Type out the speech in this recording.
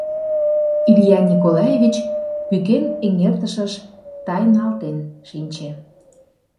Илья Николаевич пӱкен эҥертышыш тайналтен шинче.